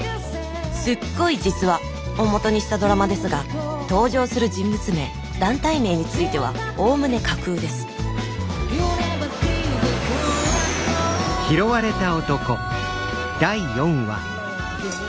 すっごい実話！をもとにしたドラマですが登場する人物名団体名についてはおおむね架空ですおっびっくりした。